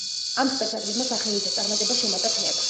ამ სპექტაკლებმა სახელი და წარმატება შემატა თეატრს.